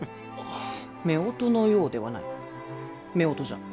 夫婦のようではない夫婦じゃ。